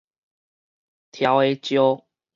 柱下石